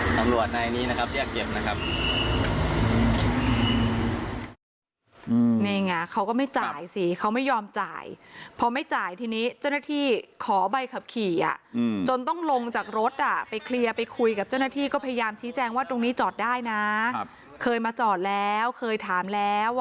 ก็ต้องทำ๊ยัดขาดเพราะเขาจัดคืนที่จอดให้อยู่แล้วนะครับ